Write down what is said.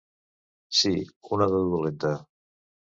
Sí, una de dolenta.